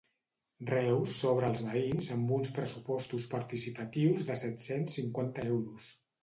Reus s'obre als veïns amb uns pressupostos participatius de set-cents cinquanta euros.